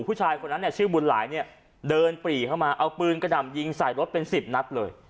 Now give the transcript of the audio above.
ผู้ชายคนนั้นเนี่ยชื่อบุญหลายเนี่ยเดินปรีเข้ามาเอาปืนกระดำยิงใส่รถเป็นสิบนัดเลย